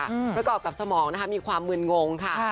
แล้วก็กับสมองนะคะมีความเมือนงงค่ะ